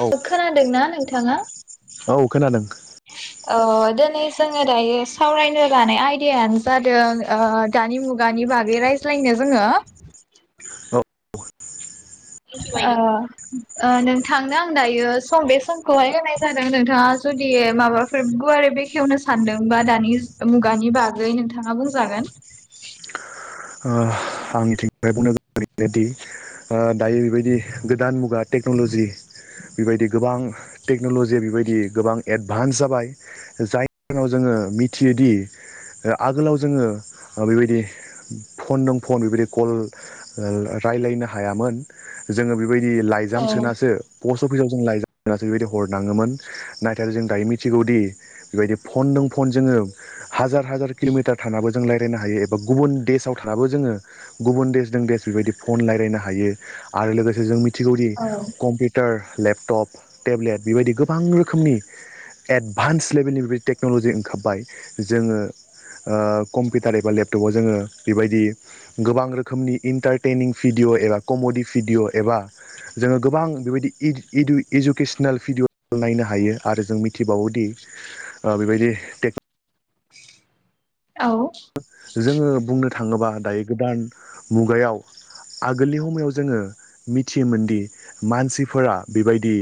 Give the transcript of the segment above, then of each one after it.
औ खोनादोंना नोंथाङा औ खोनादों ओ दोनै जोङो दायो सावरायनो लानाय आयदायानो जादों ओ दानि मुगानि बागै राय ज्लायनो जोङो औ ओ ओ नोंथांनो आं दायो सम बे समखौहाय होनाय जादों नोंथाङा जुदि माबाफोर गुवारै बेखेवनो सानदोंबा दानि मुगानि बागै नोंथाङा बुंजागोन [inaudible] ओ आंनिथिंनिफ्राय बुंनो गोनाङा बेनोदि ओ दायो बेबायदि गोदान मुगा तेक टेक्नलजि बेबायदि गोबां टेक्न'लजिया बेबायदि गोबां एडभान्स जाबाय जायनि जाहोनाव जोङो मिथियोदि आगोलाव जोङो बेबायदि फन जों फन बेबायदि कल रायलायनो हायामोन जोङो बेबायदि औ लाइजाम सोनासो पस्ट अफिसाव जों लायजाम सोनासो बेबायदि हरनाङोमोन नाथाय जों दायो मिथिगौदि बेबायदि फन फन जोङो हाजार हाजार किल'मिटार थानाबो जों रायज्लायनो हायो एबा गुबुन देशाव थानाबो जोङो गुबुन देसजों देस बेबायदि फन रायज्लायनो हायो आरो लोगोसे जों मिथि थिगौदि औ कम्पिउटार लेपटप टेब्लेट बेबायदि गोबां रोखोमनि एडभान्स लेभेलनि बिदि टेक्न'लजि ओंखारबाय जोङो कम्पिउटार एबा लेपटपाव जोङो बेबायदि गोबां रोखोमनि इन्टारटेनिं भिडिय' एबा कमेडि भिडिय' एबा जोङो गोबां बेबायदि इडु इडुकेसनेल भिडिय' नायनो हायो आरो जों मिथिबावोदि बेबायदि टेक औ जोङो बुंनो थाङोबा दायो गोदान मुगायाव आगोलनि समायाव जोङो मिथियोमोनदि मानसिफोरा बेबायदि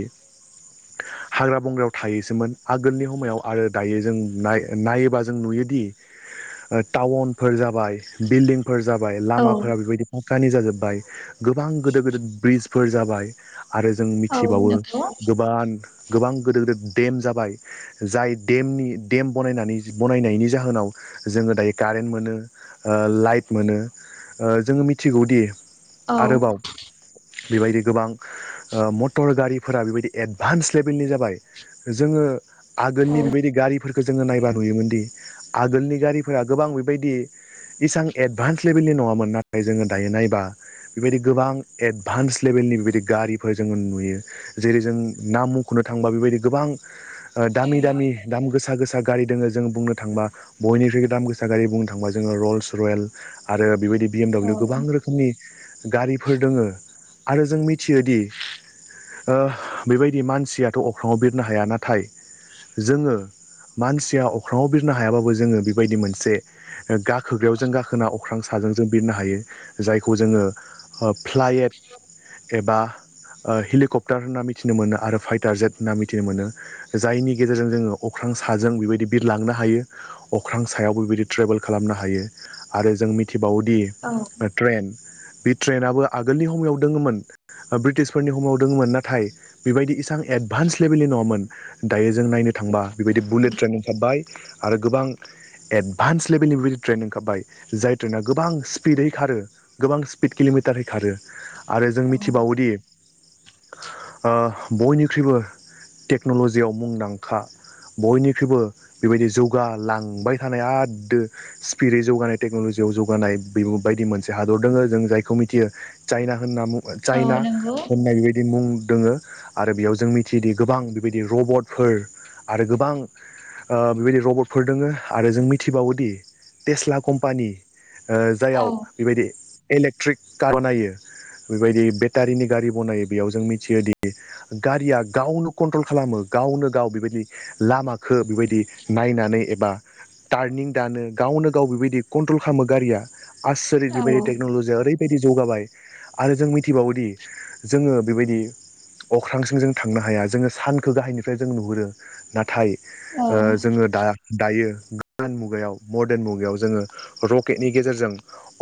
हाग्रा बंग्रायाव थायोसोमोन आगोलनि समायाव आरो दायो जों नायो नायोबा जों नुयोदि टाउनफोर जाबाय बिल्डिंफोर जाबाय लामाफोरा बेबायदि फाकानि जाजोब्बाय गोबां गेदिर गेदिर ब्रिजफोर जाबाय आरो जों औ मिथिबावो नंगौ गोबां गोबां गिदिर गिदिर देम जाबाय जाय देमनि देम बनानै बानायनायनि जाहोनाव जोङो दायो कारेन्ट मोनो लाइट मोनो जोङो मिथिगौदि औ आरोबाव बेबायदि गोबां मटर गारिफोरा बेबायदि एडभान्स लेभेलनि जाबाय जोङो औ आगोलनि बेबायदि गारिफोरखौ जोङो नायबा नुयोमोनदि आगोलनि गारि फोरा गोबां बेबायदि इसां एडभान्स लेभेलनि नङामोन नाथाय जोङो दायो नायबा बेबायदि गोबां एडभान्स लेभेल नि बेबायदि गारिफोर जोङो नुयो जेरै जों नाम मुंख'नो थांबा बेबायदि गोबां दामि दामि दाम गोसा गोसा गारि दोङो जों बुंनो थांबा बयनिख्रुइ दाम गोसा गारि बुंनो थाङोबा जोङो रल्स रयेल आरो बेबायदि बि एम औ दाब्लिउ गोबां रोखोमनि गारिफोर दोङो आरो जों मिथियोदि ओ बेबायदि मानसियाथ' अख्राङाव बिरनो हाया नाथाय जोङो मानसिया अख्रङाव बिरनो हायाबाबो जोङो बेबायदि मोनसे गाखोग्रायाव जों गाखोना अख्रां साजों जों बिरनो हायो जायखौ जोङो ओ फ्लाइेट एबा ओ हेलिकप्टार होनना मिथिनो मोनो आरो फाइटार जेट होनना मिथिनो मोनो जायनि गेजेरजों जोङो अख्रां साजों बेबायदि बिरलांनो हायो अख्रां सायावबो बेबायदि ट्रेभेल खालामनो हायो आरो जों मि थिबावोदि ओ ट्रेन बे ट्रेेनाबो आगोलनि हमयाव दङमोन ब्रिटिशफोरनि हमयाव दङमोन नाथाय बेबायदि इसां एद एडभान्स लेभेलनि नङामोन दायो जों नायनो थांबा बेबायदि बुलेट ट्रेनं थाबबाय आरो गोबां एडभान्स लेभेलनि बिदि ट्रेन ओंखारबाय जाय ट्रेना गोबां स्पिडै खारो गोबां स्पिड किल'मिटारै खारो आरो जों मिथिबावोदि [inaudible] ओ बयनिख्रुइबो टेक्न'लजियाव मुंदांखा बयनिख्रुइबो बेबायदि जौगालां बाय थानाय आददो स्पिडै जौगानाय टेक्न'लजियाव जौगानाय बायदि मोनसे हादर दङ जों जायखौ मिथियो चाइना होनना मु ओ औ चाइना नंगौ होननाय बेबायदि मुं दङो आरो बेयाव जों मिथियोदि गोबां बेबायदि रबटफोर आरो गोबां बेबायदि रबटफोर दोङो आरो जों मिथिबावोदि टेस्ला कम्पानि ओ औ जाययाव बेबायदि इलेक्ट्रिक कार बानायो बेबायदि बेटारिनि गारि बनायो बेयाव जों मिथियोदि गारिया गावनो कन्ट्रल खालामो गावनो गाव बेबायदि लामााखो बेबायदि नायनानै एबा टार्निं दानो गावनो गाव बेबायदि कन्ट्रल खालामो गारिया आसरित औ बेबायदि टेक्नलजिया ओरैबायदि जौगाबाय आरो जों मिथिबावोदि जोङो बेबायदि अख्रांसिम जों थांनो हाया जोङो सानखौ गाहायनिफ्राय जों नुहुरो नाथाय औ ओ जोङो दा दायो गोदान मुगायाव मर्दान मुगायाव जोङो रकेटनि गेजेरजों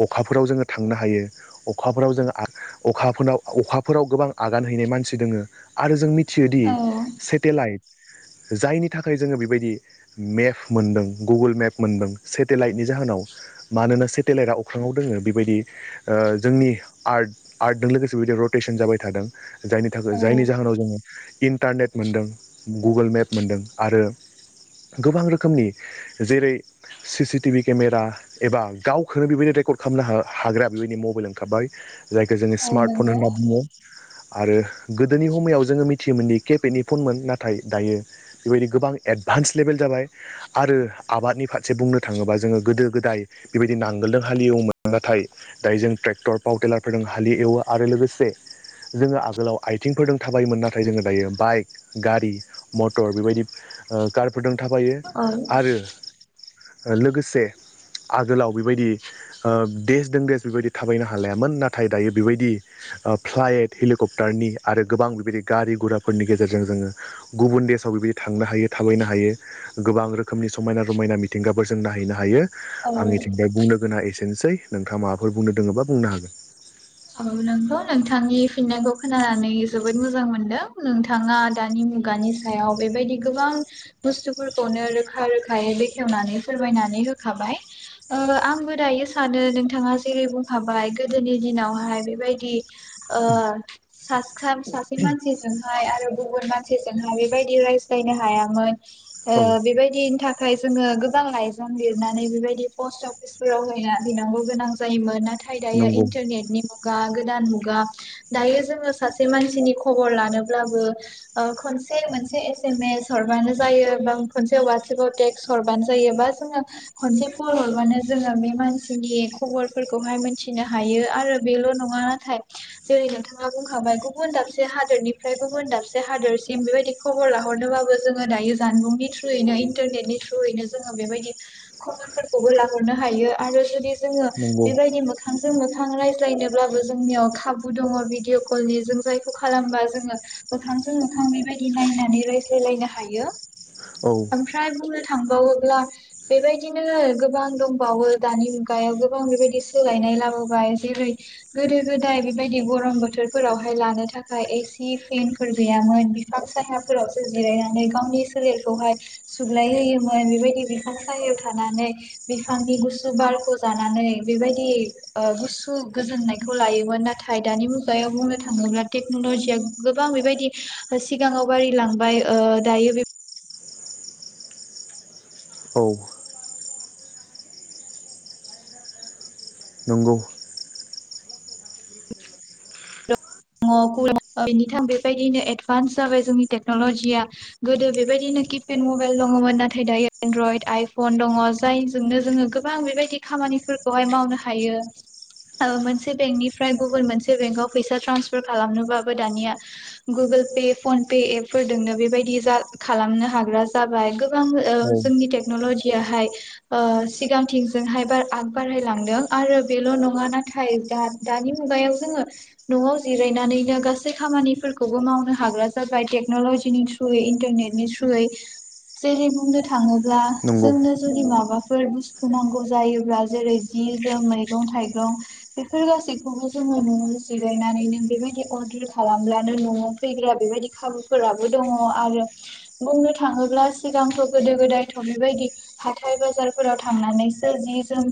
अखाफोराव जोङो थांनो हायो अखाफोराव जोङो आ अखाफोराव अखाफोराव गोबां आगान हैनाय मानसि दोङो आरो जों मि थियोदि सेटेलाइट जायनि थाखाय जोङो बेबायदि मेप मोनदों गुगोल मेप मोनदों सेटेलाइटनि जाहोनाव मानोना सेटेलाइटआ अख्राङाव दोङो बेबायदि ओ ओ जोंनि आर्ट आर्टजों लोगोसे बिदि रटेसन जाबाय थादों जायनि थाखाय औ जायनि जाहोनाव जोङो इन्टारनेट मोनदों गुगोल मेप मोनदों आरो गोबां रोखोमनि जेरै सि टि भि केमेरा एबा गावखौनो बेबायदि रेकर्ड खालामनो हा हाग्रा बेबायदि मबाइल ओंखारबाय जायखौ जोङो औ स्मार्टफन नंगौ होनना बुङो आरो गोदोनि हमयाव जोङो मिथियोमोनदि केपेतनि फनमोन नाथाय दायो बेबायदि गोबां एडभान्स लेभेल जाबाय आरो आबादनि फारसे बुंनो थाङोब्ला जोङो गोदो गोदाय बेबायदि नांगोलजों हालेवोमोन नाथाय दायो जों ट्रेक्टर पावारटेलारफोरजों हालि एवो आरो लोगोसे जोङो आगोलाव आइथिंफोरजों थाबायोमोन नाथाय जोङो दायो बाइक गारि मटर बेबायदि ओ कारफोरदों थाबा औ ओ लोगोसे आगोलाव बेबायदि ओ देस दों देस बेबायदि थाबायनो हालायामोन नाथाय दायो बेबायदि फ्लाइट हेलिकप्टारनि आरो गोबां बेबायदि गारि गुराफोरनि गेजेरजों जोङो गुबुन देशाव बेबायदि थांनो हायो थाबायनो हायो। गोबां रोखोमनि समायना रमायना मिथिंगफोर जों नायहैनो हायो औ आंनिथिंजाय बुंनो गोनाङा एसे नोसै नोंथाङा माबाफोर बुंनो दोङोबा बुंनो हागोन औ नोंथौ नोंथांनि फिननायखौ खोनानानै जोबोद मोजां मोनदों नोंथाङा दानि मुगानि सायाव बेबायदि गोबां बुस्थुफोरखौनो रोखा रोखायै बेखेवनानै फोरमायनानै ओ आंबो दायो सानो नोंथाङा जेरै बुंखाबाय गोदोनि दिनावहा य बेबायदि ओ साथाम सासे मानसि जोंहाय आरो गुबुन मान सिजोंहाय बेबायदि रायज्लायनो हायामोन ओ औ बेबायदिनि थाखाय जोङो गोबां लाइजाम लिरनानै बेबायदि पस्ट अफिसफोराव हैयना हैनांगौ गोनां जायोमोन नाथाय दायो नंगौ इन्टारनेटनि मुगा गोदान मुगा दायो जोङो सासे मानसिनि खबर लानोब्लाबो मोनसे मोनसे एस एम एस हरबानो जायो बा खनसे वाट्सएपाव टेक्स्ट हरबानो जायो बा जोङो खनसे कल हरबानो जोङो बे मानसिनि खबरफोरखौहाय मोनथिनो हायो आरो बेल' नङा नाथाय जेरै नोंथाङा बुंखांबाय गुबुन दाबसे हादोरनिफ्राय गुबुन दाबसे हादोर सिम बेबायदि खबर लाहरनोबाबो जोङो दायो जानबुंनि थ्रयैनो इन्टारनेटनि थ्रुयैनो जोङो बेबायदि खबरफोरखौबो लाहरनो हायो आरो जुदि जोङो नंगौ बेबायदि मोखांजों मोखां रायज्ला यनोबो जोंनियाव खाबु दङ भिदिअ कलनि जों जायखौ खालामा जोङो मोखांजों मोखां बेबायदि नायनानैनो रायज्लाय लायनो हायो औ ओमफ्राय बुंनो थांबावोब्ला बेबायदिनो गोबां दंबावो दानि मुगायाव गोबां बेबायदि सोलायनाय लाबोबाय जेरै गोदो गोदाय बेबायदि गरम बोथोरफोरावहाय लानो थाखाय एसि फेनफोर गैयामोन बिफां सायाफोरावसो जिरायनानै गावनि सोलेरखौहाय सुग्लाय होयोमोन बेबायदि बिफां सायहायाव थानानै बिफांनि गुसु बारखौ जानानै बेबायदि गुसु गोजोननायखौ लायोमोन नाथाय दानि मुगायाव बुंनो थाङोब्ला टेक्न'लजिया गोबां बेबायदि सिगाङाव बारि लांबाय दायो बे औ नंगौ बेनिथाम बेबायदिनो एडभान्स जाबाय जोंनि टेक्न'लजिया गोदो बेबायदिनो किपेड मबाइल दङमोन नाथाय दायो एनड्रयड आइफन दङ जायजोंनो जोङो गोबां बेबायदि खामानि खामानिफोरखौ हाय मावनो हायो ओ मोनसे बेंकनिफ्राय गुब मोनसे बेंक आव फैसा ट्रान्सफार खालामनोबाबो दानिया Google Pay PhonePe app फोरजोंनो बेबायदि जा खालामनो हाग्रा जाबाय गोबां औ जोंनि टेकनल'जि हाय सिगांथिंजोंहाय आग बारायलांदों आरो बेल' नङा नाथाय दा-दानि मुगायाव जोङो न'आव जिरायनानैनो गासै खामानिफोरखौबो मावनो हाग्रा जाबाय टेक्न'ल'जिनि थ्रुयै इन्टारनेटनि थ्रु जेरै बुंनो थाङोब्ला नंगौ जोंनो जुदि माबा फोर बुस्थु नांगौ जायोब्ला जेरै जि जोम मैगं थाइगं बेफोर गासैखौबो जों [unintelligible] बेबायदि अर्डार खालामब्लानो न'आव फैग्रा बेबायदि खाबुफोराबो दङ आरो बुं नो थाङोब्ला सिगांथ' गोदो गोदायथ' बेबायदि हाथाय बाजारफोराव थांनानैसो जि जोम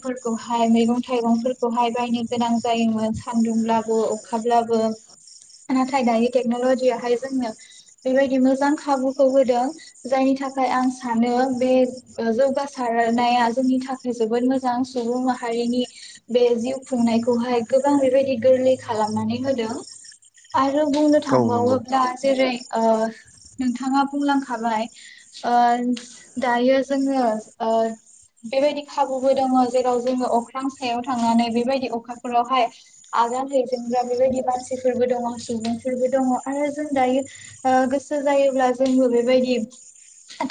मैगं थाइगंफोरखौहाय बायनो गोनां जायोमोन सानदुंब्लाबो अखाब्लाबो बो नाथाय दानि टेक्न'लजि आहाय जोंनो बेबायदि मोजां खाबुखौ होदों जायनि थाखाय थाखाय आं सानो बे जौगासारनाया जोंनि थाखाय जोबोद मोजां सुबुं बे जिउ खुंनायखौहाय गोबां बेबायदि गोरलै खालामनानै होदों आरो बुंनो औ नंगौ थांबावोब्ला जेरै ओ नोंथाङा बुंलांखाबाय ओ दायो जोङो ओ बेबायदि खाबुबो दङ जेराव जोङो अख्रां सायाव थांनानै बेबायदि अखाफोरावहाय [unintelligible] बेबायदि मानसिफोरबो दङ सुबुंफोरबो दङ आरो जों दायो गोसो जायोब्ला जों बेबायदि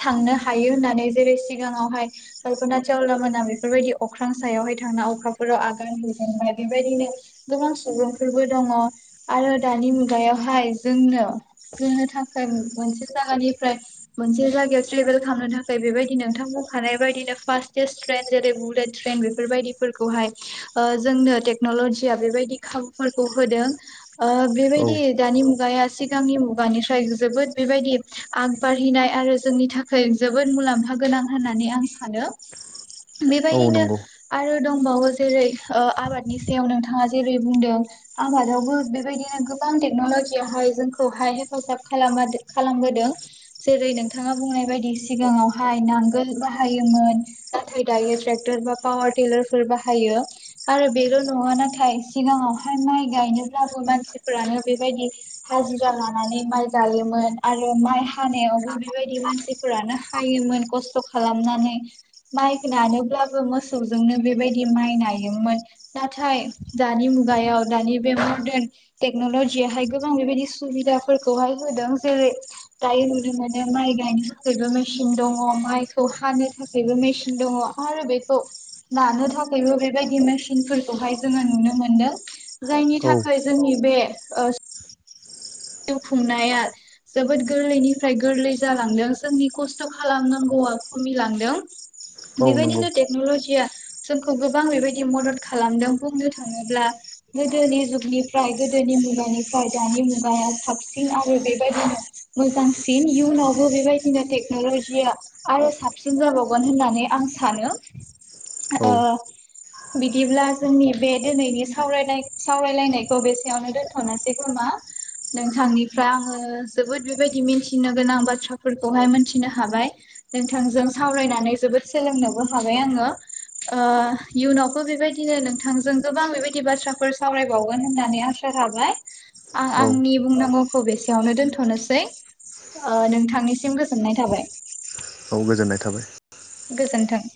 थांनो हायो होननानै जेरै सिगाङावहाय कल्पना चावला मोनहा बेफोरबायदि अख्रां सायाव यावहाय थांना अखाफोराव आगान होजेनबाय बेबायदिनो गोबां सुबुं फोरबो दङ आरो दानि मुगायावहाय जोंनो जो नो थाखाय मोनसे जागानिफ्राय मोनसे जायगायाव [unintelligible] खालामनो थाखाय बेबायनो नोंथां बुंखानाय बायदिनो फासटेस ट्रेन जेरै बुलेट ट्रेन बेफोरबायदिफोरखौहाय ओ जोंनो टेकनलजिया बेबायदि खाबु फोरखौ होदों ओ बेबायदि औ दानि मुगाया सिगांनि मुगानिफ्राय जोबोद बेबायदि आग बारहिनाय आरो जोंनि थाखाय जोबोद मुलाम्फा गोनां होननानै आं सानो। औ बेबायदिनो नंगौ आरो दंबावो जेरै आबादनि सायाव नोंथाङा जेरै बुंदों आबादावबो बेबायदिनो गोबां टेक्नलजियावहाय जोंखौहाय हेफाजाब खालामबादो खालामबोदों जेरै नोंथाङा बुंनाय बायदि सिगाङावहाय नांगोल बाहायोमोन नाथाय दा ट्रेक्टर बा पावार टिलार फोर बाहायो आरो बेल' नङा नाथाय सिगाङावहाय ओफ्राय माइ गायनोब्लाबो मानसिफोरानो बेबायदि हाजिरा लानानै माइ गायोमोन आरो माइ हानायावबो बेबायदि मानसिफोरानो हायोमोन खस्थ' खालामनानै माइ नानोब्लाबो मोसौजोंनो बेबायदि माइ नायोमोन मुगायाव दानि बे मरदान टेकन'लजि आहाय गोबां बेबायदि सुबिदाफोरखौहाय होदों जेरै दायो नुनो मोनो माइ गायनो थाखायबो मेसिन दङ माइखौ हानो थाखायबो मेसिन दङ आरो बेखौ लानो थाखायबो बेबायदि मेसिनफोरखौहाय जोङो नुनो मोनदों जायनि औ थाखाय जोंनि बे ओ जिउ खुंनाया जोबोद गोरलैनिफ्राय गोरलै जालांदों जोंनि खस्थ' खालामनांगौ [unintelligible] खमिलांदों औ नंगौ बेबायदिनो टेक्न'लजिया जोंखौ गोबां बेबायदि मदद खालामदों बुंनो थाङोब्ला गोदोनि जुगनिफ्राय गोदोनि मुगानिफ्राय दानि मुगाया साबसिन आरो बेबायदिनो मोजांसिन इयुनावबो बेबायदिनो टेक्न'लजिया आर आरो साबसिन जाबावगोन होननानै आं सानो औ ओ बिदिब्ला जोंनि बे दोनैनि सावरायलाय सावरायलायनायखौ बेसेयावनो दोन्थ'नोसै खोमा [unintelligible] नोंथांनिफ्राय आङो जोबोद बेबायदि मिथिनो गोनां बाथ्राफोरखौहाय मिथिनो हाबाय नोंथांजों सावरायनानै जोबोद सोलोंनोबो हाबाय आङो ओ इयुनावबो बेबायदिनो नोंथांजों गोबां बेबायदि बाथ्राफोर सावरायबावगोन होननानै आसा थाबाय आं औ आंनि बुंनांगौखौ बेसेयावनो दोन्थ'नोसै ओ नोंथांनिसिम गोजोननाय थाबाय औ गोजोननाय थाबाय गोजोन्थों [inaudible]